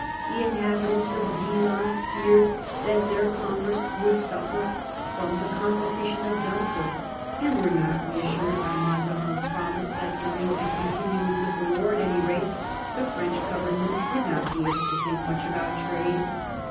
The inhabitants of Zealand feared that their commerce would suffer from the competition of Dunkirk, and were not reassured by Mazarin's promise that, during the continu ance of the war, at any rate, the French government would not be able to think much about trade.